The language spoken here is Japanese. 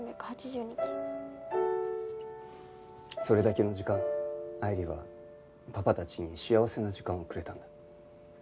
それだけの時間愛理はパパたちに幸せな時間をくれたんだ。